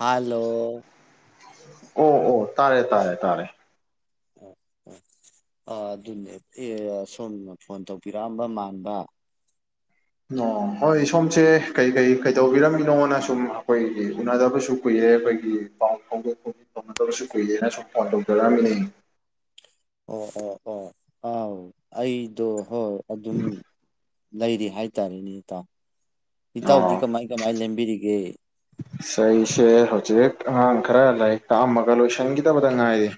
hello ꯑꯣ ꯑꯣ ꯇꯥꯔꯦ ꯇꯥꯔꯦ ꯇꯥꯔꯦ ꯎꯝ ꯎꯝ ꯑ ꯑꯗꯨꯅꯦ ꯑꯦ ꯁꯣꯝꯅ ꯐꯣꯟ ꯇꯧꯕꯤꯔꯛꯑꯝꯕ ꯃꯥꯟꯕ ꯑꯣ ꯍꯣꯏ ꯁꯣꯝꯁꯦ ꯀꯩ ꯀꯩ ꯀꯩꯗꯧꯕꯤꯔꯝꯃꯤꯅꯣꯅ ꯁꯨꯝ ꯑꯩꯈꯣꯏꯒꯤ ꯎꯅꯗꯕꯁꯨ ꯀꯨꯏꯌꯦ ꯦ ꯑꯩꯈꯣꯏꯒꯤ ꯄꯥꯎ ꯐꯣꯡꯗꯣꯛ ꯐꯣꯡꯖꯤꯣꯛ ꯐꯅꯗꯕꯁꯨ ꯀꯨꯏꯔꯦꯅ ꯁꯨꯝ ꯐꯣꯟ ꯇꯧꯖꯔꯛꯑꯝꯃꯤꯅꯦ ꯑꯣ ꯑꯣ ꯑꯣ ꯑꯥꯎ ꯑꯩꯗꯣ ꯍꯣꯏ ꯑꯗꯨꯝ ꯂꯩꯔꯤ ꯍꯥꯏꯇꯥꯔꯦꯅꯦ ꯏꯇꯥꯎ ꯏꯇꯥꯎꯗꯤ ꯀꯃꯥꯏ ꯀꯃꯥꯏ ꯂꯦꯝꯕꯤꯔꯤꯒꯦ ꯏꯁꯩꯁꯦ ꯍꯧꯖꯤꯛ ꯑꯉꯥꯡ ꯈꯔ ꯂꯥꯏꯔꯤꯛ ꯇꯥꯑꯝꯃꯒ ꯂꯣꯏꯁꯤꯟꯈꯤꯗꯕꯗ ꯉꯥꯏꯔꯤ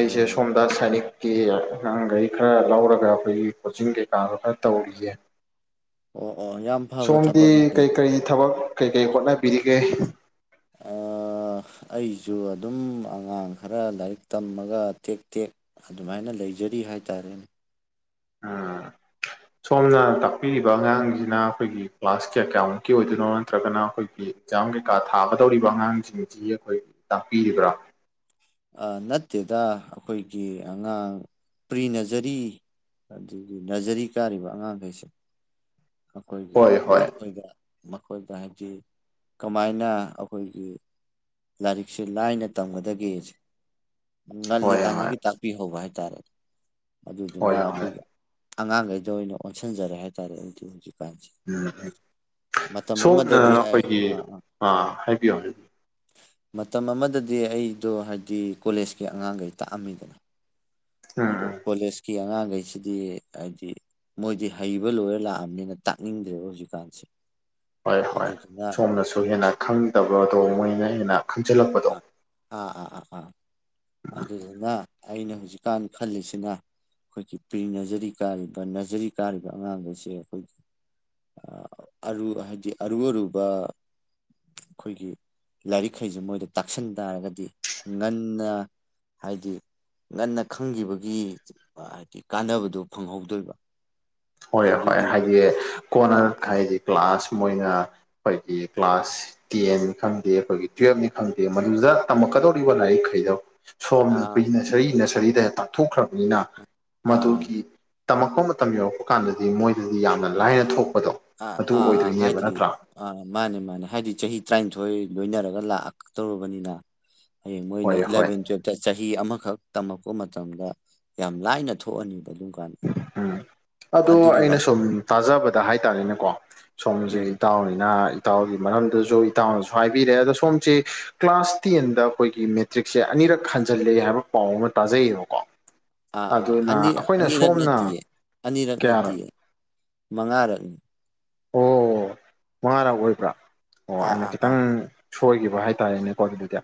ꯑꯩꯁꯦ ꯁꯣꯝꯗꯥꯁ ꯁꯥꯏꯅꯤꯛ ꯀꯤ ꯑꯉꯥꯡꯈꯩ ꯈꯔ ꯂꯧꯔꯒ ꯑꯩꯈꯣꯏꯒꯤ ꯀꯣꯆꯤꯡ ꯀꯩꯀꯥꯗꯣ ꯈꯔ ꯇꯧꯔꯤꯌꯦ ꯑꯣ ꯑꯣ ꯌꯥꯝ ꯐꯕ ꯁꯣꯝꯗꯤ ꯊꯕꯛꯅꯤꯅꯦ ꯀꯔꯤ ꯀꯔꯤ ꯑꯗꯨꯗꯤ ꯊꯕꯛ ꯀꯩꯀꯔꯤ ꯍꯣꯠꯅꯕꯤꯔꯤꯒꯦ ꯑ ꯑꯩꯁꯨ ꯑꯗꯨꯝ ꯑꯉꯥꯡ ꯈꯔ ꯂꯥꯏꯔꯤꯛ ꯇꯝꯃꯒ ꯇꯦꯛ ꯇꯦꯛ ꯑꯗꯨꯃꯥꯏꯅ ꯂꯩ ꯂꯩꯖꯔꯤ ꯍꯥꯏꯇꯥꯔꯦꯅꯦ ꯑꯥ ꯁꯣꯝꯅ ꯇꯥꯛꯄꯤꯔꯤꯕ ꯑꯉꯥꯡꯁꯤꯅ ꯑꯩꯈꯣꯏꯒꯤ ꯀ꯭ꯂꯥꯁ ꯀꯌꯥ ꯀꯌꯥꯃꯨꯛꯀꯤ ꯑꯣꯏꯗꯣꯏꯅꯣ ꯅꯠꯇ꯭ꯔꯒꯅ ꯑꯩꯈꯣꯏꯒꯤ ꯑꯦꯛꯖꯥꯝ ꯀꯩꯀꯥ ꯊꯥꯒꯗꯧꯔꯤꯕ ꯑꯉꯥꯡꯁꯤꯡꯁꯤ ꯑꯩꯈꯣꯏ ꯇꯥꯛꯄꯤꯔꯤꯕ꯭ꯔꯥ ꯅꯠꯇꯦꯗ ꯑꯩꯈꯣꯏꯒꯤ ꯑꯉꯥꯡ ꯄ꯭ꯔꯤꯅꯖꯔꯤ ꯑꯗꯨꯗꯤ ꯅꯔꯖꯔꯤ ꯀꯥꯔꯤꯕ ꯑꯉꯥꯡꯈꯩꯁꯦ ꯑꯩꯈꯣꯏꯒꯤ ꯍꯣꯏ ꯍꯣꯏ ꯃꯈꯣꯏꯗ ꯃꯈꯣꯏꯗ ꯍꯥꯏꯗꯤ ꯀꯃꯥꯏꯅ ꯑꯩꯈꯣꯏꯒꯤ ꯂꯥꯏꯔꯤꯛꯁꯦ ꯂꯥꯏꯅ ꯇꯝꯒꯗꯒꯦ ꯍꯣꯏ ꯍꯣꯏ ꯉꯜꯂꯤꯀꯥꯟꯗꯒꯤ ꯇꯥꯛꯄꯤꯍꯧꯕ ꯍꯥꯏꯇꯥꯔꯦ ꯑꯗꯨꯗꯨꯅ ꯍꯣꯏ ꯍꯣꯏ ꯑꯩꯈꯣꯏꯒꯤ ꯑꯉꯥꯡꯈꯩꯗ ꯑꯣꯏꯅ ꯑꯣꯟꯁꯤꯟꯖꯔꯦ ꯍꯥꯏꯇꯥꯔꯦ ꯑꯗꯨꯤ ꯎꯝ ꯃꯇꯝ ꯁꯣꯝꯅ ꯑꯃꯗꯗꯤ ꯑꯩ ꯑꯩꯈꯣꯏꯒꯤ ꯑꯥ ꯑꯥ ꯍꯥꯏꯕꯤꯌꯨ ꯍꯥꯏ ꯃꯇꯝ ꯑꯃꯗꯗꯤ ꯑꯩꯗꯣ ꯍꯥꯏꯕꯗꯤ ꯀꯣꯂꯦꯖꯀꯤ ꯑꯉꯥꯡꯈꯩ ꯇꯥꯛꯑꯝꯃꯤꯗꯅ ꯎꯝ ꯑꯗꯣ ꯎꯝ ꯀꯣꯂꯦꯖꯀꯤ ꯑꯉꯥꯡ ꯀꯩꯁꯤꯗꯤ ꯍꯥꯏꯗꯤ ꯃꯣꯏꯗꯤ ꯍꯩꯕ ꯂꯣꯏꯔ ꯂꯥꯛꯑꯕꯅꯤꯅ ꯇꯥꯛꯅꯤꯡꯗ꯭ꯔꯦꯕ ꯍꯧꯖꯤꯛꯀꯥꯟꯁꯦ ꯍꯣꯏ ꯍꯣꯏ ꯑꯗꯨꯗꯨꯅ ꯁꯣꯝꯅꯁꯨ ꯍꯦꯟꯅ ꯈꯪꯗꯕꯗꯣ ꯃꯣꯏꯅ ꯍꯦꯟꯅ ꯈꯪ ꯑ ꯑꯥ ꯑꯥ ꯑꯥ ꯑꯥ ꯑꯗꯨꯗꯨꯅ ꯑꯩꯅ ꯍꯧꯖꯤꯛꯀꯥꯟ ꯈꯜꯂꯤꯁꯤꯅ ꯑꯩꯈꯣꯏꯒꯤ ꯄ꯭ꯔꯤ ꯅꯖꯔꯤ ꯀꯥꯔꯤꯕ ꯅꯖꯔꯤ ꯀꯥꯔꯤꯕ ꯑꯉꯥꯡꯁꯦ ꯑꯩꯈꯣꯏꯒꯤ ꯑꯔꯨ ꯍꯥꯏꯕꯗꯤ ꯑꯔꯨ ꯑꯔꯨꯕ ꯑꯩꯈꯣꯏꯒꯤ ꯂꯥꯏꯔꯤꯛꯈꯩꯁꯦ ꯃꯣꯏꯗ ꯇꯥꯛꯁꯟ ꯇꯥꯔꯒꯗꯤ ꯉꯟꯅ ꯍꯥꯏꯗꯤ ꯉꯟꯅ ꯈꯪꯈꯤꯕꯒꯤ ꯍꯥꯏꯗꯤ ꯀꯥꯟꯅꯕꯗꯣ ꯐꯪꯍꯧꯗꯣꯏꯕ ꯍꯣꯏ ꯍꯣꯏ ꯑꯗꯨꯒꯤ ꯍꯥꯏꯗꯤ ꯀꯣꯟꯅ ꯍꯥꯏꯗꯤ ꯀ꯭ꯂꯥꯁ ꯃꯣꯏꯅ ꯑꯩꯈꯣꯏꯒꯤ ꯀ꯭ꯂꯥꯁ ꯇꯦꯟꯅꯤ ꯈꯪꯗꯦ ꯑꯩꯈꯣꯏꯒꯤ ꯇꯨꯋꯜꯞꯅꯤ ꯈꯪꯗꯦ ꯃꯗꯨꯗ ꯇꯝꯃꯛ ꯛꯀꯗꯧꯔꯤꯕ ꯅ ꯑꯩ ꯈꯩꯗꯣ ꯁꯣꯝꯅ ꯑꯥ ꯑꯩꯈꯣꯏꯒꯤ ꯅꯁꯔꯤ ꯅꯁꯔꯤꯗ ꯇꯥꯛꯊꯣꯛꯈ꯭ꯔꯕꯅꯤꯅ ꯑꯥ ꯃꯗꯨꯒꯤ ꯇꯝꯃꯛꯄ ꯃꯇꯝ ꯌꯧꯔꯛꯄ ꯀꯥꯟꯗꯗꯤ ꯃꯣꯏꯗꯗꯤ ꯌꯥꯝꯅ ꯂꯥꯏꯅ ꯊꯣꯛ ꯑꯥ ꯑꯥ ꯑꯥ ꯍꯥꯏꯗꯤ ꯑꯥ ꯃꯥꯅꯦ ꯃꯥꯅꯦ ꯍꯥꯏꯗꯤ ꯆꯍꯤ ꯇꯔꯥꯅꯤꯊꯣꯏ ꯂꯣꯏꯅꯔꯒ ꯂꯥꯛꯑ ꯇꯧꯨꯔꯕꯅꯤꯅ ꯍꯌꯦꯡ ꯃꯣꯏꯅ ꯍꯣꯏ ꯍꯣꯏ ꯏꯂꯚꯦꯟ ꯇꯨꯋꯜꯞꯇ ꯆꯍꯤ ꯑꯃꯈꯛ ꯇꯝꯃꯛꯄ ꯃꯇꯝꯗ ꯌꯥꯝ ꯂꯥꯏꯅ ꯊꯣꯛꯑꯅꯤꯕ ꯑꯗꯨꯝ ꯀꯥꯟꯗ ꯎꯝ ꯑꯗꯣ ꯑꯗꯨꯒꯤ ꯋꯥ ꯑꯩꯅ ꯁꯨꯝ ꯇꯥꯖꯕꯗ ꯍꯥꯏꯇꯥꯔꯦꯅꯦꯀꯣ ꯁꯣꯝꯁꯦ ꯎꯝ ꯎꯝ ꯏꯇꯥꯎꯅꯤꯅ ꯏꯇꯥꯎꯒꯤ ꯃꯔꯝꯗꯁꯨ ꯏꯇꯥꯎꯅꯁꯨ ꯍꯥꯏꯕꯤꯔꯛꯑꯦ ꯑꯗꯣ ꯁꯣꯝꯁꯦ ꯀ꯭ꯂꯥꯁ ꯇꯦꯟꯗ ꯑꯩꯈꯣꯏꯒꯤ ꯃꯦꯇ꯭ꯔꯤꯛꯁꯦ ꯑꯅꯤ ꯏꯔꯛ ꯍꯟꯖꯤꯜꯂꯦ ꯍꯥꯏꯕ ꯄꯥꯎ ꯑꯃ ꯇꯥꯖꯩꯌꯦꯕꯀꯣ ꯑꯥ ꯑꯥ ꯑꯗꯨꯅ ꯑꯅꯤ ꯑꯈꯣꯏꯅꯁꯨ ꯑꯅꯤꯔꯛ ꯅꯠꯇꯤꯌꯦ ꯑꯅꯤꯔꯛ ꯅꯠꯇꯤꯌꯦ ꯃꯉꯥꯔꯛ ꯑꯣ ꯑꯣ ꯃꯉꯥꯔꯛ ꯑꯣꯏꯕ꯭ꯔꯥ ꯑꯣ ꯑꯥ ꯑꯩꯅ ꯑꯥ ꯈꯤꯇꯪ ꯃꯥꯅꯤ ꯁꯣꯏꯈꯤꯕ ꯍꯥꯏꯇꯥꯔꯦꯅꯦꯀꯣ ꯑꯗꯨꯗꯤ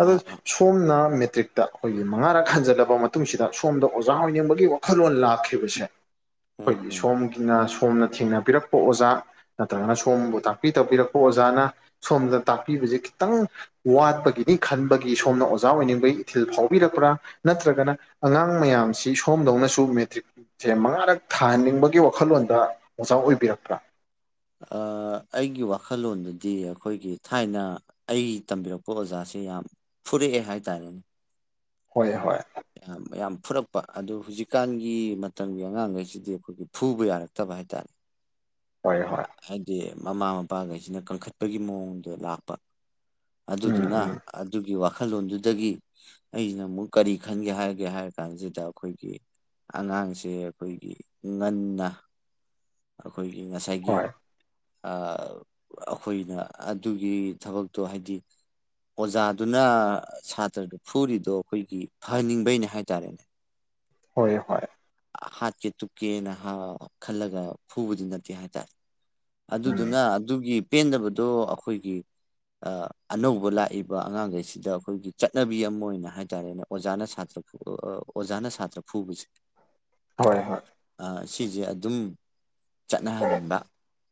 ꯑꯗꯣ ꯑꯥ ꯑꯥ ꯁꯣꯝꯅ ꯃꯦꯇ꯭ꯔꯤꯛꯇ ꯑꯈꯣꯏꯒꯤ ꯃꯉꯥꯔꯛ ꯍꯟꯖꯜꯂꯕ ꯃꯇꯨꯡꯁꯤꯗ ꯁꯣꯝꯗ ꯑꯣꯖꯥ ꯑꯣꯏꯅꯤꯡꯕꯒꯤ ꯋꯥꯈꯜꯂꯣꯟ ꯂꯥꯛꯈꯤꯕꯁꯦ ꯎꯝ ꯑꯈꯣꯏꯒꯤ ꯎꯝ ꯁꯣꯝꯒꯤꯅ ꯁꯣꯝꯅ ꯊꯦꯡꯅꯕꯤꯔꯛ ꯑꯣꯖꯥ ꯅꯠꯇ꯭ꯔꯒꯅ ꯁꯣꯝꯕꯨ ꯇꯥꯛꯄꯤ ꯇꯧꯕꯤꯔꯛꯄ ꯑꯣꯖꯥꯅ ꯁꯣꯝꯗ ꯇꯥꯛꯄꯤꯕꯁꯦ ꯈꯤꯇꯪ ꯋꯥꯠꯄꯒꯤꯅꯤ ꯈꯟꯕꯒꯤ ꯁꯣꯝꯅ ꯑꯣꯖꯥ ꯑꯣꯏꯅꯤꯡꯕꯒꯤ ꯏꯊꯤꯜ ꯐꯥꯎꯕꯤꯔꯛꯄ꯭ꯔꯥ ꯅꯠꯇ꯭ꯔꯒꯅ ꯑꯉꯥꯡ ꯃꯌꯥꯝ ꯃꯌꯥꯝꯁꯤ ꯁꯣꯝꯗꯧꯅꯁꯨ ꯃꯦꯇ꯭ꯔꯤꯛꯁꯦ ꯃꯉꯥꯔꯛ ꯊꯥꯍꯟꯅꯤꯡꯕꯒꯤ ꯋꯥꯈꯜꯂꯣꯟꯗ ꯑꯣꯖꯥ ꯑꯣꯏꯕꯤꯔꯛꯄ ꯇ꯭ꯔꯥ ꯑꯩꯒꯤ ꯋꯥꯈꯜꯂꯣꯟꯗꯗꯤ ꯑꯈꯣꯏꯒꯤ ꯊꯥꯏꯅ ꯑꯩꯒꯤ ꯇꯝꯕꯤꯔꯛꯄ ꯑꯣꯖꯥ ꯌꯥꯝ ꯐꯨꯔꯛꯑꯦ ꯍꯥꯏꯇꯥꯔꯦꯅꯦ ꯍꯣꯏ ꯍꯣꯏ ꯌꯥꯝ ꯐꯨꯔꯛꯄ ꯑꯗꯨ ꯍꯧꯖꯤꯛꯀꯥꯟꯒꯤ ꯃꯇꯝꯒꯤ ꯑꯉꯥꯡꯈꯩꯁꯤꯗꯤ ꯑꯈꯣꯏꯒꯤ ꯐꯨꯕ ꯌꯥꯔꯛꯇꯕ ꯍꯥꯢꯇꯥꯔꯦ ꯍꯣꯏ ꯍꯣꯏ ꯃꯃꯥ ꯃꯄꯥꯈꯩꯁꯤꯅ ꯀꯟꯈꯠꯄꯒꯤ ꯃꯑꯣꯡꯗꯣ ꯂꯥꯛꯄ ꯎꯝ ꯑꯗꯨꯗꯨꯅ ꯎꯝ ꯑꯗꯨꯒꯤ ꯋꯥꯈꯜ ꯋꯥꯈꯜꯂꯣꯟꯗꯨꯗꯒꯤ ꯑꯩꯅ ꯑꯃꯨꯛ ꯀꯔꯤ ꯈꯟꯒꯦ ꯍꯥꯏꯒꯦ ꯍꯥꯏꯔ ꯀꯥꯟꯁꯤꯗ ꯑꯈꯣꯏꯒꯤ ꯑꯉꯥꯡꯁꯦ ꯑꯩꯈꯣꯏꯒꯤ ꯉꯟꯅ ꯑꯩꯈꯣꯏꯒꯤ ꯉꯁꯥꯏ ꯍꯣꯏ ꯑ ꯑꯈꯣꯏꯅ ꯑꯗꯨꯒꯤ ꯊꯕꯛꯇꯣ ꯍꯥꯏꯗꯤ ꯑꯣꯖꯥꯗꯨꯅ ꯁꯥꯇ꯭ꯔꯗꯨ ꯐꯨꯔꯤꯗꯣ ꯑꯩꯈꯣꯏꯒꯤ ꯐꯍꯟꯅꯤꯡꯕꯩꯅꯦ ꯍꯥꯏꯇꯥꯔꯦ ꯍꯣꯢ ꯍꯣꯢ ꯍꯥꯠꯀꯦ ꯇꯨꯞꯀꯦꯅ ꯍꯥ ꯈꯜꯂꯒ ꯐꯨꯕꯗꯤ ꯅꯠꯇꯦ ꯍꯥꯏꯇꯥꯔꯦ ꯎꯝ ꯑꯗꯨꯗꯨꯅ ꯑꯗꯨꯒꯤ ꯄꯦꯟꯗꯕꯗꯣ ꯑꯈꯣꯏꯒꯤ ꯑꯅꯧꯕ ꯂꯥꯛꯏꯕ ꯑꯉꯥꯡꯈꯩꯁꯤꯗ ꯑꯈꯣꯏꯒꯤ ꯆꯠꯅꯕꯤ ꯑꯃ ꯑꯣꯏꯅ ꯍꯥꯏꯇꯥꯔꯦꯅꯦ ꯑꯣꯖꯥꯅ ꯁꯥꯇ꯭ꯔ ꯑꯣꯖꯥꯅ ꯁꯥꯇ꯭ꯔ ꯐꯨꯕꯁꯦ ꯍꯣꯏ ꯍꯣꯏ ꯁꯤꯁꯦ ꯑꯗꯨꯝ ꯆꯠꯅꯍꯟꯕ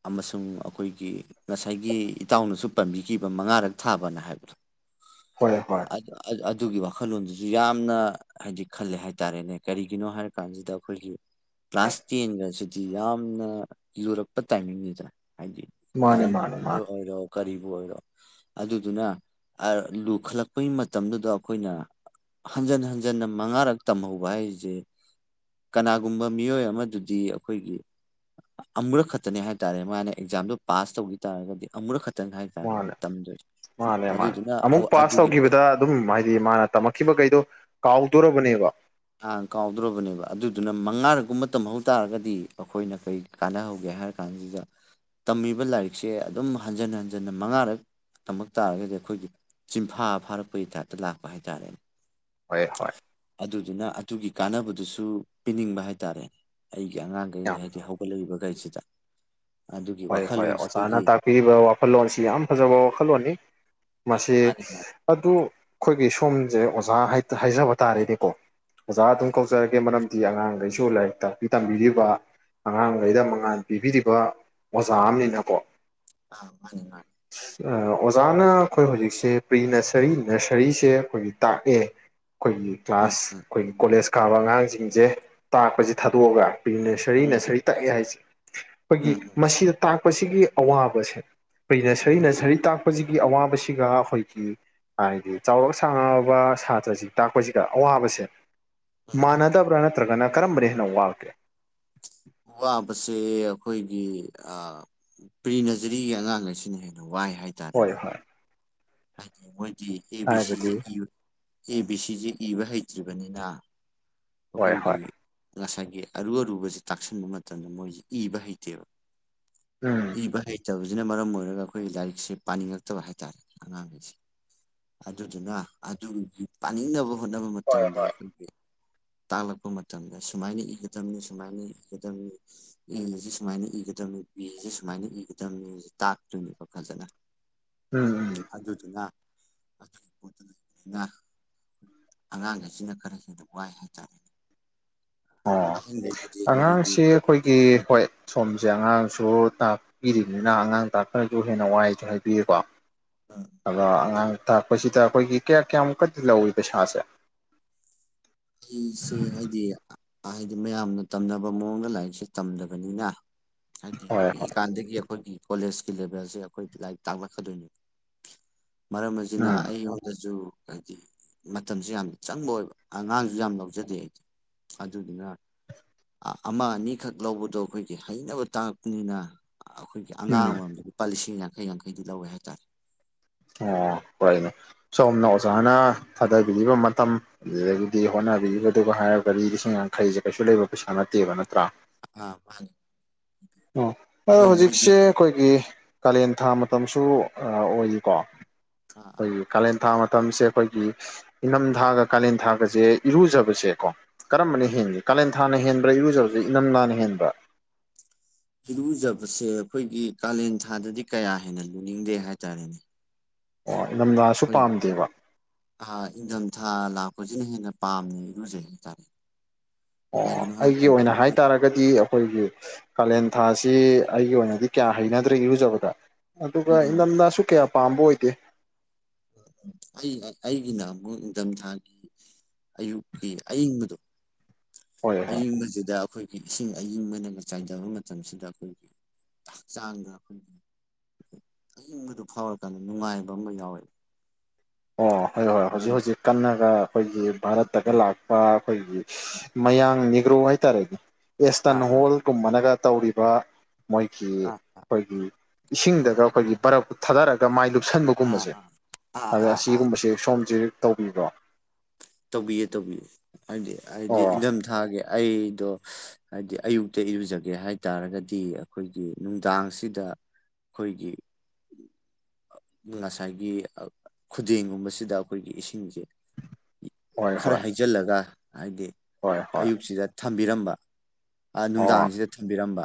ꯑꯃꯁꯨꯡ ꯑꯈꯣꯏꯒꯤ ꯉꯁꯥꯏꯒꯤ ꯏꯇꯥꯎꯅꯁꯨ ꯄꯟꯕꯤꯈꯤꯕ ꯃꯉꯥꯔꯛ ꯊꯥꯕꯅ ꯍꯥꯏꯕꯗꯣ ꯍꯣꯏ ꯍꯣꯏ ꯑ ꯑ ꯑꯗꯨꯒꯤ ꯋꯥꯈꯜꯂꯣꯟꯗꯨꯁꯨ ꯌꯥꯝꯅ ꯍꯥꯏꯗꯤ ꯈꯜꯂꯦ ꯍꯥꯏꯇꯥꯔꯦꯅꯦ ꯀꯔꯤꯒꯤꯅꯣ ꯍꯥꯏꯔ ꯀꯥꯟꯁꯤꯗ ꯑꯈꯣꯏꯒꯤ ꯀ꯭ꯂꯥꯁ ꯇꯦꯟꯒ ꯁꯤꯗꯤ ꯌꯥꯝꯅ ꯂꯨꯔꯛ ꯇꯥꯏꯃꯤꯡꯅꯤꯗ ꯍꯥꯏꯗꯤ ꯃꯥꯅꯦ ꯂꯥꯏꯔꯤꯛ ꯃꯥꯅꯦ ꯃꯥꯅꯦ ꯑꯣꯏꯔꯣ ꯀꯔꯤꯕꯨ ꯑꯣꯏꯔꯣ ꯑꯗꯨꯗꯨꯅ ꯂꯨꯈꯠꯂꯛꯄꯒꯤ ꯃꯇꯝꯗꯨꯗ ꯑꯈꯣꯏꯅ ꯍꯟꯖꯟ ꯍꯟꯖꯟꯅ ꯃꯉꯥꯔꯛ ꯇꯝꯍꯧꯕ ꯍꯥꯏꯁꯦ ꯀꯅꯥꯒꯨꯝꯕ ꯃꯤꯑꯣꯏ ꯑꯃꯗꯨꯗꯤ ꯑꯈꯣꯏꯒꯤ ꯑꯃꯨꯔꯛ ꯈꯛꯇ ꯈꯛꯇꯅꯦ ꯍꯥꯏꯇꯥꯥꯔꯦ ꯃꯥꯅ ꯑꯦꯛꯖꯥꯝꯗꯣ ꯄꯥꯁ ꯇꯧꯈꯤ ꯇꯥꯔꯒꯗꯤ ꯑꯃꯨꯔꯛ ꯈꯛꯇꯅꯤ ꯍꯥꯏꯕ ꯇꯥꯔꯦ ꯃꯥꯅꯦ ꯇꯝꯗꯣꯏ ꯃꯥꯅꯦ ꯃꯥꯅꯦ ꯑꯃꯨꯛ ꯄꯥꯁ ꯄꯣꯠ ꯇꯧꯈꯤꯕꯗ ꯑꯗꯨꯝ ꯍꯥꯏꯗꯤ ꯃꯥꯅ ꯇꯝꯃꯛꯈꯤꯕꯈꯩꯗꯣ ꯀꯥꯎꯗꯣꯔꯕꯅꯦꯕ ꯑ ꯀꯥꯎꯗ꯭ꯔꯕꯅꯦꯕ ꯑꯗꯨꯗꯨꯅ ꯃꯉꯥꯔꯛꯒꯨꯝꯕ ꯇꯝꯍꯧ ꯇꯥꯔꯒꯗꯤ ꯑꯈꯣꯏꯅ ꯀꯩ ꯀꯥꯟꯅꯍꯧꯒꯦ ꯀꯩ ꯍꯥꯏꯔ ꯀꯥꯟꯁꯤꯗ ꯇꯝꯃꯤꯕ ꯂꯥꯏꯔꯤꯛꯁꯦ ꯑꯗꯨꯝ ꯍꯟꯖꯤꯟ ꯍꯟꯖꯟꯅ ꯃꯉꯥꯔꯛ ꯇꯃꯛ ꯇꯥꯔꯒꯗꯤ ꯑꯈꯣꯏꯒꯤ ꯆꯤꯟꯐꯥ ꯐꯥꯔꯛꯄꯒꯤ ꯇꯥꯏꯞꯇ ꯂꯥꯛꯄ ꯍꯥꯏꯇꯥꯥꯔꯦꯅꯦ ꯍꯣꯢ ꯍꯣꯏ ꯑꯗꯨꯗꯨꯅ ꯑꯗꯨꯒꯤ ꯀꯥꯟꯅꯕꯗꯨꯁꯨ ꯄꯤꯅꯤꯡꯕ ꯍꯥꯏꯇꯥꯔꯦ ꯑꯩꯒꯤ ꯑꯉꯥꯡꯈꯩ ꯍꯥꯏꯗꯤ ꯌꯥꯝꯅ ꯍꯧꯒꯠꯂꯛꯏꯕ ꯒꯩꯁꯤꯗ ꯍꯣꯏ ꯍꯣꯏ ꯑꯣꯖꯥꯅ ꯇꯥꯛꯄꯤꯔꯤꯕ ꯋꯥꯈꯜꯂꯣꯟꯁꯤ ꯌꯥꯝ ꯐꯖꯕ ꯋꯥꯈꯜꯂꯣꯟꯅꯤ ꯃꯁꯤ ꯃꯥꯅꯤ ꯃꯥꯅꯤ ꯑꯗꯨ ꯑꯈꯣꯏꯒꯤ ꯁꯣꯝꯁꯦ ꯑꯣꯖꯥ ꯍꯥꯏꯖꯕ ꯇꯥꯔꯦꯅꯦꯀꯣ ꯑꯣꯖꯥ ꯑꯗꯨꯝ ꯀꯧꯖꯔꯒꯦ ꯃꯔꯝ ꯗꯤ ꯑꯉꯥꯡꯈꯩꯁꯨ ꯂꯥꯏꯔꯤꯛ ꯇꯥꯛꯄꯤ ꯇꯝꯕꯤꯔꯤꯕ ꯑꯉꯥꯡꯈꯩꯗ ꯃꯉꯥꯥꯟ ꯄꯤꯕꯤꯔꯤꯕ ꯑꯣꯖꯥ ꯑꯃꯅꯤꯅꯀꯣ ꯑꯥ ꯃꯥꯅꯦ ꯃꯥꯅꯦ ꯑꯣꯖꯥꯅ ꯑꯩꯈꯣꯏ ꯍꯧꯖꯤꯛꯁꯦ ꯄ꯭ꯔꯤ ꯅꯁꯔꯔꯤ ꯅꯁꯔꯤꯁꯦ ꯑꯩꯈꯣꯏꯒꯤ ꯇꯥꯛꯑꯦ ꯑꯩꯈꯣꯏꯒꯤ ꯎꯝ ꯀ꯭ꯂꯥꯁ ꯎꯝ ꯑꯩꯈꯣꯏꯒꯤ ꯀꯣꯂꯦꯖ ꯀꯥꯕ ꯑꯉꯥꯡꯁꯤꯡꯁꯦ ꯇꯥꯛꯄꯁꯤ ꯊꯥꯗꯣꯛꯑꯒ ꯄ꯭ꯔꯤ ꯅꯁꯔꯤ ꯎꯝ ꯅꯁꯔꯤ ꯇꯥꯛꯑꯦ ꯍꯥꯏꯁꯦ ꯎꯝ ꯑꯩꯈꯣꯏꯒꯤ ꯎꯝ ꯃꯁꯤꯗ ꯇꯥꯛꯄꯁꯤꯒꯤ ꯑꯋꯥꯕꯁꯦ ꯑꯩꯈꯣꯏ ꯅꯁꯔꯤ ꯅꯁꯔꯤ ꯇꯥꯛ ꯄꯁꯤꯒꯤ ꯑꯋꯥꯕꯁꯤꯒ ꯑꯩꯈꯣꯏꯒꯤ ꯍꯥꯏꯗꯤ ꯆꯥꯎꯔꯛ ꯁꯥꯡꯉꯛꯑꯕ ꯁꯥꯇ꯭ꯔꯁꯤꯡ ꯇꯥꯛꯄꯁꯤꯗ ꯑꯋꯥꯕꯁꯦ ꯃꯥꯟꯅꯗꯕ꯭ꯔꯥ ꯅꯠꯇ꯭ꯔꯒꯅ ꯀꯔꯝꯕꯅꯦ ꯍꯦꯟꯅ ꯋꯥꯒꯦ ꯋꯥꯕꯁꯦ ꯑꯩꯈꯣꯏꯒꯤ ꯄ꯭ꯔꯤ ꯅꯖꯔꯤꯒꯤ ꯑꯉꯥꯡ ꯑꯁꯤꯅ ꯍꯦꯟꯅ ꯋꯥꯏ ꯍꯣꯏ ꯍꯥꯏꯇꯥꯔꯦꯅꯦ ꯍꯣꯏ ꯍꯥꯏꯗꯤ ꯃꯣꯏꯗꯤ ꯑꯦ ꯕꯤ ꯁꯤꯁꯦ ꯍꯥꯏꯕꯗꯤ ꯏꯕ ꯑꯦ ꯕꯤ ꯁꯤꯁꯦ ꯏꯕ ꯍꯩꯇ꯭ꯔꯤꯕꯅꯤꯅ ꯍꯣꯏ ꯑꯩꯈꯣꯏꯒꯤ ꯍꯣꯏ ꯉꯁꯥꯏꯒꯤ ꯑꯔꯨ ꯑꯔꯨꯕꯁꯤ ꯇꯥꯛꯁꯤꯟꯕ ꯃꯇꯝꯗ ꯃꯣꯏꯁꯤ ꯏꯕ ꯍꯩꯇꯦꯕ ꯎꯝ ꯏꯕ ꯍꯩꯇꯕ ꯁꯤꯅ ꯃꯔꯝ ꯑꯣꯏꯔꯒ ꯑꯩꯈꯣꯏꯒꯤ ꯂꯥꯏꯔꯤꯛꯁꯦ ꯄꯥꯅꯤꯡꯉꯛꯇꯕ ꯍꯥꯏꯇꯥꯔꯦ ꯑꯉꯥꯡꯈꯩꯁꯦ ꯑꯗꯨꯗꯨꯅ ꯑꯗꯨꯒꯤ ꯄꯥꯅꯤꯡꯅꯕ ꯍꯣꯠꯅꯕ ꯃꯇꯝꯗ ꯑꯩꯈꯣꯏꯒꯤ ꯇꯥꯛꯂꯛꯄ ꯃꯇꯝꯗ ꯁꯨꯃꯥꯏꯅ ꯏꯒꯗꯝꯅꯤ ꯁꯨꯃꯥꯏꯅ ꯏꯒꯗꯝꯅꯤ ꯏꯔꯤꯁꯤ ꯁꯨꯃꯥꯏꯅ ꯏꯒꯗꯝ ꯕꯤꯁꯦ ꯁꯨꯃꯥꯏꯅ ꯏꯒꯗꯝꯅꯤ ꯇꯥꯛꯇꯣꯏꯅꯦꯕ ꯐꯖꯅ ꯎꯝ ꯎꯝ ꯑꯗꯨꯗꯨꯅ ꯑꯗꯨꯒꯤ ꯄꯣꯠꯇꯣ ꯂꯩꯕꯅꯤꯅ ꯑꯉꯥꯡꯈꯩꯁꯤꯅ ꯈꯔ ꯍꯦꯟꯅ ꯋꯥꯏ ꯍꯥꯏꯕ [inaudible] ꯑꯣ ꯑꯣꯜꯔꯦꯗꯤ ꯑꯉꯥꯡꯁꯤ ꯑꯩꯈꯣꯏꯒꯤ ꯍꯣꯏ ꯁꯣꯝꯁꯦ ꯑꯉꯥꯡꯁꯨ ꯇꯥꯛꯄꯤꯔꯤꯕꯅꯤꯅ ꯑꯉꯥꯡ ꯇꯥꯛꯄꯅꯁꯨ ꯍꯦꯟꯅ ꯋꯥꯏꯁꯨ ꯍꯥꯏꯕꯤꯔꯦꯀꯣ ꯑꯗꯣ ꯑꯉꯥꯡ ꯇꯥꯛꯄꯁꯤꯗ ꯑꯩꯈꯣꯏꯒꯤ ꯀꯌꯥ ꯀꯌꯥꯃꯨꯛꯀꯗꯤ ꯂꯧꯋꯤ ꯄꯩꯁꯥꯁꯦ ꯑꯩꯁꯦ ꯍꯥꯏꯗꯤ ꯍꯥꯏꯗꯤ ꯃꯌꯥꯝꯅ ꯇꯝꯅꯕ ꯃꯑꯣꯡꯗ ꯂꯥꯏꯔꯤꯛꯁꯦ ꯇꯝꯗꯕꯅꯤꯅ ꯍꯥꯏꯗꯤ ꯍꯣꯏ ꯄꯤꯛꯏ ꯍꯣꯏ ꯀꯥꯟꯗꯒꯤ ꯑꯩꯈꯣꯏꯒꯤ ꯀꯣꯂꯦꯖ ꯂꯦꯚꯦꯜꯁꯦ ꯑꯩꯈꯣꯏ ꯂꯥꯏꯔꯤꯛ ꯇꯥꯛꯂꯛꯀꯗꯣꯏꯅꯤ ꯃꯔꯝ ꯑꯁꯤꯅ ꯎꯝ ꯑꯩꯉꯣꯟꯗꯁꯨ ꯍꯥꯏꯕꯗꯤ ꯃꯇꯝꯁꯨ ꯌꯥꯝꯅ ꯆꯪꯕ ꯑꯣꯏꯕ ꯑꯉꯥꯡꯁꯨ ꯌꯥꯝ ꯂꯧꯖꯗꯦ ꯑꯗꯨꯗꯨꯅ ꯑꯃ ꯑꯅꯤꯈꯛ ꯂꯧꯕꯗꯣ ꯑꯩꯈꯣꯏꯒꯤ ꯍꯩꯅꯕ ꯇꯥꯡꯂꯛꯄꯅꯤꯅ ꯑꯩꯈꯣꯏꯒꯤ ꯑꯉꯥꯡ ꯎꯝ ꯑꯃ ꯃꯝꯗ ꯂꯨꯄꯥ ꯂꯤꯁꯤꯡ ꯌꯥꯡꯈꯩ ꯌꯥꯡꯈꯩꯗꯤ ꯂꯧꯋꯦ ꯍꯥꯏꯇꯥꯔꯦ ꯑꯣ ꯍꯣꯏꯅꯦ ꯁꯣꯝꯅ ꯑꯣꯖꯥꯅ ꯊꯥꯗꯕꯤꯔꯤꯕ ꯃꯇꯝ ꯑꯗꯨꯗꯒꯤꯗꯤ ꯎꯝ ꯍꯣꯠꯅꯕꯤꯈꯤꯕꯗꯨꯒ ꯍꯥꯏꯔꯒꯗꯤ ꯂꯤꯁꯤꯡ ꯌꯥꯡꯈꯩꯁꯦ ꯀꯩꯁꯨ ꯂꯩꯕ ꯄꯩꯁꯥ ꯅꯠꯇꯦꯕ ꯅꯠꯇ꯭ꯔꯥ ꯑꯥ ꯃꯥꯅꯤ ꯑꯣ ꯑꯗꯣ ꯃꯣꯏ ꯃꯣꯏꯗꯤ ꯍꯧꯖꯤꯛꯁꯦ ꯑꯩꯈꯣꯏꯒꯤ ꯀꯥꯂꯦꯟ ꯊꯥ ꯃꯇꯝꯁꯨ ꯑꯣꯏꯔꯤꯀꯣ ꯑꯥ ꯑꯥ ꯑꯩꯈꯣꯏꯒꯤ ꯀꯥꯂꯦꯟ ꯊꯥ ꯃꯇꯝꯁꯦ ꯑꯩꯈꯣꯏꯒꯤ ꯏꯅꯝꯊꯥꯒ ꯀꯥꯂꯦꯟ ꯊꯥꯒꯁꯦ ꯏꯔꯨꯖꯕꯁꯦꯀꯣ ꯀꯔꯝꯕꯅ ꯑꯥ ꯍꯦꯟꯒꯦ ꯀꯥꯂꯦꯟ ꯊꯥꯅ ꯍꯦꯟꯕ꯭ꯔꯥ ꯏꯔꯨꯖꯕꯁꯦ ꯏꯪꯊꯝ ꯊꯥꯅ ꯍꯦꯟꯕ꯭ꯔꯥ ꯏꯤꯔꯨꯖꯕꯁꯦ ꯑꯩꯈꯣꯏꯒꯤ ꯀꯥꯂꯦꯟ ꯊꯥꯗꯗꯤ ꯀꯌꯥ ꯍꯦꯟꯅ ꯂꯨꯅꯤꯡꯗꯦ ꯍꯥꯏꯇꯥꯔꯦꯅꯦ ꯑꯣ ꯏꯅꯝꯊꯥꯁꯨ ꯑꯩꯈꯣꯏꯒꯤ ꯄꯥꯝꯗꯦꯕ ꯑꯥ ꯏꯪꯊꯝꯊꯥ ꯂꯥꯛꯄ ꯍꯧꯖꯤꯛ ꯍꯦꯟꯅ ꯄꯥꯝꯅ ꯏꯔꯨꯖꯩ ꯍꯥꯏꯇꯥꯔꯦ ꯑꯣ ꯀꯩꯒꯤꯅꯣ ꯑꯩꯒꯤ ꯍꯥꯏꯔꯀꯥꯟꯗ ꯑꯣꯏꯅ ꯑꯩꯈꯣꯏ ꯍꯥꯏꯇꯥꯔꯒꯗꯤ ꯑꯩꯈꯣꯏꯒꯤ ꯀꯥꯂꯦꯟ ꯊꯥꯁꯤ ꯑꯩꯒꯤ ꯑꯣꯏꯅꯗꯤ ꯀꯌꯥ ꯍꯩꯅꯗ꯭ꯔꯦ ꯏꯔꯨꯖꯕꯗ ꯑꯗꯨꯒ ꯎꯝ ꯎꯝ ꯏꯪꯊꯝꯊꯥꯁꯨ ꯀꯌꯥ ꯄꯥꯝꯕ ꯑꯣꯏꯗꯦ ꯑꯩ ꯑꯩꯒꯤꯅ ꯑꯃꯨꯛ ꯅꯤꯡꯊꯝꯊꯥꯒꯤ ꯑꯌꯨꯛꯀꯤ ꯑꯌꯤꯡꯕꯗꯣ ꯍꯣꯏ ꯍꯣꯏ ꯑꯌꯤꯡꯕꯁꯤꯗ ꯑꯩꯈꯣꯏꯒꯤ ꯏꯁꯤꯡ ꯑꯌꯤꯡꯕꯅꯒ ꯆꯥꯏꯊꯕ ꯃꯇꯝꯁꯤꯗ ꯑꯩꯈꯣꯏꯒꯤ ꯍꯛꯆꯥꯡꯅ ꯑꯏꯪꯕꯗꯨ ꯐꯥꯎꯔꯀꯥꯟꯗ ꯅꯨꯡꯉꯥꯏꯕ ꯑꯃ ꯌꯥꯎꯋꯦ ꯑꯣ ꯍꯣꯏ ꯍꯣꯏ ꯑꯥ ꯍꯧꯖꯤꯛ ꯍꯧꯖꯤꯛ ꯀꯟꯅꯒ ꯑꯩꯈꯣꯏꯒꯤ ꯚꯥꯔꯠꯇꯒ ꯂꯥꯛꯄ ꯑꯩꯈꯣꯏꯒꯤ ꯃꯌꯥꯡ ꯅꯤꯒ꯭ꯔꯣ ꯍꯥꯏꯇꯥꯔꯦꯅꯦ ꯑꯦꯁꯇ꯭ꯔꯟ ꯑꯥ ꯑꯥ ꯍꯣꯜꯒꯨꯝꯕꯅꯒ ꯇꯧꯔꯤꯕ ꯃꯣꯏꯒꯤ ꯑꯥ ꯑꯩꯈꯣꯏꯒꯤ ꯏꯁꯤꯡꯗꯒ ꯑꯩꯈꯣꯏꯒꯤ ꯕꯔꯛ ꯊꯥꯗꯔꯒ ꯃꯥꯏ ꯂꯨꯞꯁꯟꯕꯒꯨꯝꯕꯁꯦ ꯑꯥ ꯑꯥ ꯑꯗ ꯑꯥ ꯑꯥ ꯑꯁꯤꯒꯨꯝꯕꯕꯁꯤꯦ ꯁꯣꯝꯁꯦ ꯇꯧꯕꯤꯕ꯭ꯔꯣ ꯇꯧꯕꯤꯌꯦ ꯇꯧꯕꯤꯌꯦ ꯍꯥꯏꯗꯤ ꯍꯥꯏꯗꯤ ꯑꯣ ꯏꯟꯊꯝ ꯊꯥꯒꯦ ꯑꯩ ꯑꯗꯣ ꯍꯥꯏꯗꯤ ꯑꯌꯨꯛꯇ ꯏꯔꯨꯖꯒꯦ ꯍꯥꯏꯇꯥꯔꯒꯗꯤ ꯑꯩꯈꯣꯏꯒꯤ ꯅꯨꯡꯗꯥꯡꯁꯤꯗ ꯑꯩꯈꯣꯏꯒꯤ ꯉꯁꯥꯏꯒꯤ ꯈꯨꯗꯦꯡꯒꯨꯝꯕꯁꯤꯗ ꯑꯩꯈꯣꯏꯒꯤ ꯏꯁꯤꯡꯁꯦ ꯍꯣꯏ ꯈꯔ ꯍꯣꯏ ꯍꯩꯖꯤꯜꯂꯒ ꯍꯥꯏꯕꯗꯤ ꯍꯣꯏ ꯍꯣꯏ ꯑꯌꯨꯛꯁꯤꯗ ꯊꯝꯕꯤꯔꯝꯕ ꯑꯣ ꯅꯨꯡꯗꯥꯡꯁꯤꯗ ꯊꯝꯕꯤꯔꯝꯕ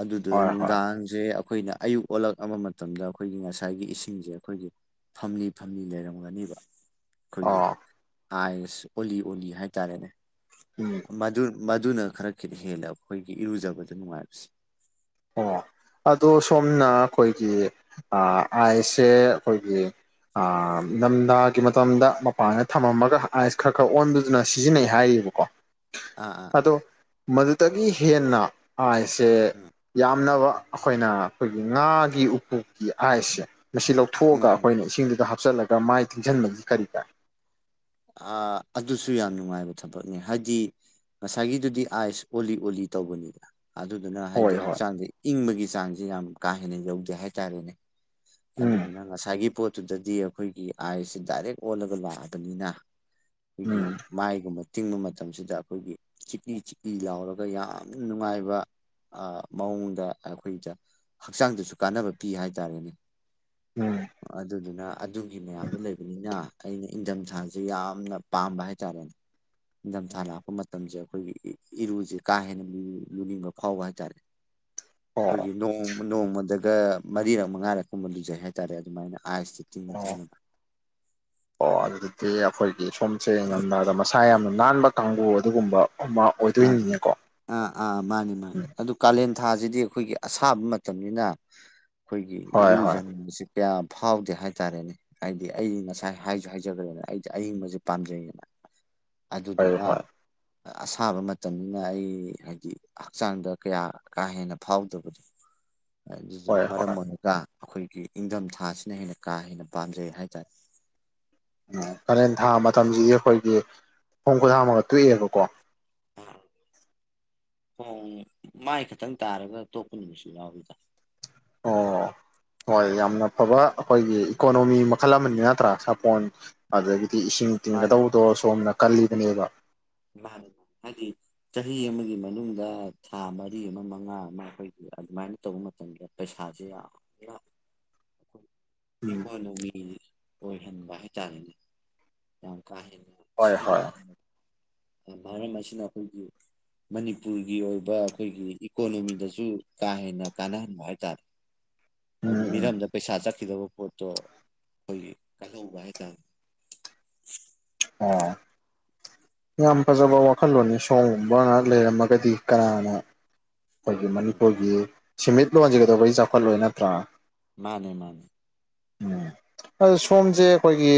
ꯑꯗꯨꯗ ꯍꯣꯏ ꯍꯣꯏ ꯅꯨꯡꯗꯥꯡꯁꯦ ꯑꯩꯈꯣꯏꯅ ꯑꯌꯨꯛ ꯑꯣꯜꯂꯛꯑꯕ ꯃꯇꯝꯗ ꯑꯩꯈꯣꯏꯒꯤ ꯉꯁꯥꯏꯒꯤ ꯏꯁꯤꯡꯁꯦ ꯑꯩꯈꯣꯏꯒꯤ ꯐꯝꯂꯤ ꯐꯝꯂꯤ ꯂꯩꯔꯝꯒꯅꯦꯕ ꯑꯥ ꯑꯥꯏꯁ ꯑꯣꯂꯤ ꯑꯣꯂꯤ ꯍꯥꯏꯇꯥꯔꯦꯅꯦ ꯎꯝ ꯃꯗꯨ ꯃꯗꯨꯅ ꯈꯔ ꯈꯤꯇ ꯍꯦꯜꯂꯦ ꯑꯩꯈꯣꯏꯒꯤ ꯏꯔꯨꯖꯕꯗ ꯅꯨꯡꯉꯥꯏꯕꯁꯦ ꯑ ꯑꯗꯣ ꯁꯣꯝꯅ ꯑꯩꯈꯣꯏꯒꯤ ꯑꯥꯏꯁꯁꯦ ꯑꯩꯈꯣꯏꯒꯤ ꯅꯊꯥꯒꯤ ꯃꯇꯝꯗ ꯃꯄꯥꯟꯗ ꯊꯝꯃꯝꯃꯒ ꯑꯥꯏꯁ ꯈꯔ ꯈꯔ ꯑꯣꯟꯗꯨꯗꯨꯅ ꯁꯤꯖꯤꯟꯅꯩ ꯍꯥꯏꯔꯤ ꯕꯨꯀꯣ ꯑꯥ ꯑꯥ ꯃꯗꯨꯗꯒꯤ ꯍꯦꯟꯅ ꯑꯥꯏꯁꯦ ꯎꯝ ꯎꯝ ꯄꯥꯝꯅꯕ ꯑꯩꯈꯣꯏꯅ ꯑꯩꯈꯣꯏꯒꯤ ꯉꯥꯒꯤ ꯎꯄꯨꯀꯤ ꯑꯁꯦ ꯃꯁꯤ ꯎꯝ ꯂꯧꯊꯣꯛꯑꯒ ꯎꯝ ꯑꯩꯈꯣꯏꯅ ꯏꯁꯤꯡꯗꯨꯗ ꯍꯥꯞꯆꯤꯜꯂꯒ ꯃꯥꯏ ꯊꯤꯡꯁꯤꯟꯕꯒꯤ ꯀꯔꯤ ꯀꯥꯏ ꯑ ꯑꯗꯨꯁꯨ ꯌꯥꯝ ꯅꯨꯡꯉꯥꯏꯕ ꯊꯕꯛꯅꯤ ꯍꯥꯏꯗꯤ ꯉꯁꯥꯏꯒꯤꯗꯨꯗꯤ ꯑꯥꯏꯁ ꯑꯣꯜꯂꯤ ꯑꯣꯜꯂꯤ ꯇꯧꯕꯅꯤꯗ ꯑꯗꯨꯗꯨꯅ ꯍꯥꯏꯗꯤ ꯍꯣꯏ ꯍꯣꯏ ꯍꯛꯆꯥꯡꯁꯦ ꯏꯪꯕꯒꯤ ꯆꯥꯡꯁꯤꯦ ꯌꯥꯝ ꯀꯥ ꯍꯦꯟꯅ ꯌꯧꯗꯦ ꯍꯥꯏꯇꯥꯔꯦꯅꯦ ꯎꯝ ꯑꯗꯨꯅꯤꯅ ꯉꯁꯥꯏꯒꯤ ꯄꯣꯠꯇꯨꯗꯗꯤ ꯑꯩꯈꯣꯏꯒꯤ ꯑꯥꯏꯁꯦ ꯗꯥꯏꯔꯦꯛ ꯑꯣꯜꯂꯒ ꯂꯥꯛꯑꯕꯅꯤꯅ ꯑꯩꯒꯤ ꯎꯝ ꯃꯥꯌꯦꯒꯨꯝꯕꯕꯁꯤ ꯇꯤꯡꯕ ꯃꯇꯝꯁꯤꯗ ꯑꯩꯈꯣꯏꯒꯤ ꯆꯤꯛꯏ ꯆꯤꯛꯏ ꯂꯥꯎꯔꯒ ꯌꯥꯝ ꯅꯨꯡꯉꯥꯏꯕ ꯃꯑꯣꯡꯗ ꯑꯩꯈꯣꯏꯗ ꯍꯛꯆꯥꯡꯗꯁꯨ ꯀꯥꯟꯅꯕ ꯄꯤ ꯍꯥꯏꯇꯥꯔꯦꯅꯦ ꯎꯝ ꯑꯗꯨꯗꯨꯅ ꯑꯗꯨꯒꯤ ꯃꯌꯥꯝꯗꯣ ꯂꯩꯕꯅꯤꯅ ꯑꯩꯅ ꯏꯪꯊꯝꯊꯥꯥꯁꯦ ꯁꯤ ꯌꯥꯝꯅ ꯄꯥꯝꯕ ꯍꯥꯏꯇꯥꯔꯦꯅꯦ ꯅꯤꯡꯊꯝꯊꯥ ꯂꯥꯛꯄ ꯃꯇꯝꯁꯦ ꯑꯩꯈꯣꯏꯒꯤ ꯏꯔꯨꯁꯦ ꯀꯥ ꯍꯦꯟꯅ ꯂꯨꯅꯤꯡꯕ ꯐꯥꯎꯕ ꯍꯥꯏꯇꯥꯔꯦ ꯑꯣ ꯑꯩꯈꯣꯏꯒꯤ ꯅ ꯅꯣꯡꯃꯗꯒ ꯃꯔꯤꯔꯛ ꯃꯉꯥꯔꯛꯀꯨꯝꯕ ꯂꯖꯩ ꯍꯥꯏꯇꯥꯔꯦ ꯑꯗꯨꯃꯥꯏꯅ ꯑꯥꯏꯁꯇ ꯇꯤꯡꯅ ꯑꯣ ꯇꯤꯡꯅꯕ ꯑꯣ ꯑꯗꯨꯗꯤ ꯑꯩꯈꯣꯏꯒꯤ ꯁꯣꯝꯁꯦ ꯉꯝꯅꯔꯕꯗ ꯃꯁꯥ ꯌꯥꯝꯅ ꯅꯥꯟꯕ ꯀꯥꯡꯕꯨ ꯑꯗꯨꯒꯨꯝꯕ ꯑꯃ ꯑ ꯑꯣꯏꯗꯣꯏꯅꯤꯅꯦꯀꯣ ꯑ ꯑꯥ ꯃꯥꯅꯤ ꯃꯥꯅꯤ ꯎꯝ ꯑꯗꯨ ꯀꯂꯦꯟ ꯄꯟꯊꯥꯁꯤꯗꯤ ꯑꯩꯈꯣꯏꯒꯤ ꯑꯁꯥꯕ ꯃꯇꯝꯅꯤꯅ ꯑꯩꯈꯣꯏꯒꯤ ꯍꯣꯏ ꯍꯣꯏ ꯏꯔꯨꯖꯅꯤꯡꯕꯁꯤ ꯌꯥꯝ ꯐꯥꯎꯗꯦ ꯍꯥꯏꯇꯥꯔꯦꯅꯦ ꯍꯥꯏꯗꯤ ꯑꯩ ꯉꯁꯥꯏ ꯍꯥꯏꯁꯨ ꯍꯥꯏꯖꯈ꯭ꯔꯦꯅꯦ ꯑꯩꯗꯤ ꯑꯏꯤꯡꯕꯁꯦ ꯄꯥꯝꯖꯩꯌꯦꯅ [inaudible] ꯑꯗꯨꯗꯨꯅ ꯍꯣꯏ ꯊꯥꯕ ꯃꯇꯝꯅꯤꯅ ꯑꯩ ꯍꯥꯏꯗꯤ ꯍꯛꯆꯥꯡꯗ ꯀꯌꯥ ꯀꯥ ꯍꯦꯟꯅ ꯐꯥꯎꯗꯕꯗꯣ ꯍꯣꯏ ꯃꯔꯦ ꯍꯣꯏ ꯃꯣꯅꯤꯀꯥ ꯑꯩꯈꯣꯏꯒꯤ ꯏꯪꯊꯝꯊꯥꯁꯤꯅ ꯍꯦꯟꯅ ꯀꯥ ꯍꯦꯟꯅ ꯄꯥꯝꯖꯩ ꯍꯥꯏꯇꯥꯔꯦ ꯎꯝ ꯀꯥꯔꯦꯟ ꯊꯥ ꯃꯇꯝꯁꯤꯗꯤ ꯑꯩꯈꯣꯏꯒꯤ ꯄꯣꯡ ꯈꯨ ꯊꯝꯃꯒ ꯇꯣꯛꯑꯦꯕꯀꯣ [inaudible] ꯍꯣꯡ ꯃꯥꯏ ꯈꯛꯇꯪ ꯇꯥꯔꯒ ꯇꯣꯛꯄ ꯅꯨꯃꯤꯁꯨ ꯌꯥꯎꯔꯤꯗ ꯑꯣ ꯍꯣꯏ ꯌꯥꯝꯅ ꯐꯕ ꯑꯩꯈꯣꯏꯒꯤ ꯏꯀꯣꯅꯣꯃꯤ ꯃꯈꯜ ꯑꯃꯅꯤ ꯅꯠꯇ꯭ꯔꯥ ꯁꯥꯄꯣꯟ ꯑ ꯑꯗꯒꯤꯗꯤ ꯏꯁꯤꯡ ꯃꯥꯅꯦ ꯇꯤꯡꯒꯗꯧꯕꯗꯣ ꯁꯣꯝꯅ ꯀꯜꯂꯤꯕꯅꯦꯕ ꯃꯥꯅꯤ ꯃꯥꯅꯤ ꯍꯥꯏꯗꯤ ꯆꯍꯤ ꯑꯃꯒꯤ ꯃꯅꯨꯡꯗ ꯊꯥ ꯃꯔꯤ ꯑꯃ ꯃꯉꯥ ꯑꯃ ꯑꯩꯈꯣꯏꯒꯤ ꯑꯗꯨꯃꯥꯏꯅ ꯇꯧꯕ ꯃꯇꯝꯗ ꯄꯩꯁꯥꯁꯦ ꯌꯥꯝꯅ ꯑꯩꯈ ꯎꯝ ꯏꯀꯣꯅꯣꯃꯤ ꯑꯣꯏꯍꯟꯕ ꯍꯥꯏꯇꯥꯔꯦꯅꯦ ꯌꯥꯝ ꯍꯣꯏ ꯍꯣꯏ ꯃꯁꯤꯅ ꯈꯣꯏꯒꯤ ꯃꯅꯤꯄꯨꯔꯒꯤ ꯑꯣꯏꯕ ꯑꯩꯈꯣꯏꯒꯤ ꯏꯀꯣꯅꯣꯃꯤꯗꯁꯨ ꯀꯥ ꯍꯦꯟꯅ ꯀꯥꯟꯅꯍꯟꯕ ꯍꯥꯏꯇꯥꯔꯦ ꯑꯗꯨ ꯎꯝ ꯎꯝ ꯃꯤꯔꯝꯗ ꯄꯩꯁꯥ ꯆꯠꯈꯤꯗꯕ ꯄꯣꯠꯇꯣ ꯑꯩꯈꯣꯏꯒꯤ ꯀꯥꯏꯍ ꯎꯧꯕ ꯍꯥꯏꯇꯥꯔꯦ ꯑꯣ ꯌꯥꯝ ꯐꯖꯕ ꯋꯥꯈꯜꯂꯣꯟꯅꯤ ꯁꯣꯝꯒꯨꯝꯕ ꯉꯍꯥꯛ ꯂꯩꯔꯝꯃꯒꯗꯤ ꯀꯅꯥꯅꯣ ꯑꯩꯈꯣꯏꯒꯤ ꯃꯅꯤꯄꯨꯔꯒꯤ ꯁꯃꯤꯠꯂꯣꯟꯁꯦ ꯀꯩꯗꯧꯕꯩ ꯆꯥꯎꯈꯠꯂꯣꯏ ꯅꯠꯇ꯭ꯔꯥ ꯃꯥꯅꯦ ꯃꯥꯅꯦ ꯎꯝ ꯑꯗꯨ ꯁꯣꯝꯁꯦ ꯑꯩꯈꯣꯏꯒꯤ